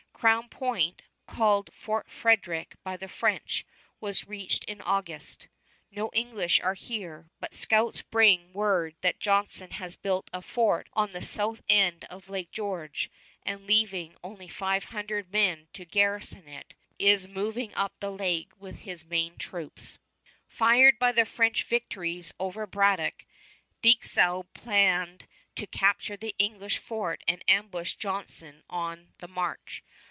Crown Point called Fort Frederick by the French was reached in August. No English are here, but scouts bring word that Johnson has built a fort on the south end of Lake George, and, leaving only five hundred men to garrison it, is moving up the lake with his main troops. [Illustration: SIR WILLIAM JOHNSON] Fired by the French victories over Braddock, Dieskau planned to capture the English fort and ambush Johnson on the march.